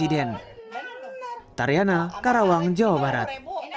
tariana karawang jawa barat